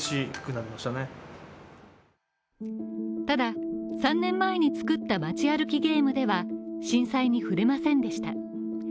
ただ、３年前に作った町歩きゲームでは震災に触れませんでした。